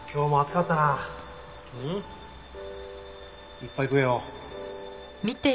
いっぱい食えよ。